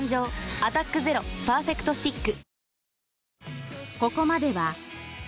「アタックＺＥＲＯパーフェクトスティック」